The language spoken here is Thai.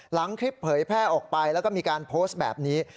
หลังคลิปเผยแพร่มาและมีก็โพสต์แบบนี้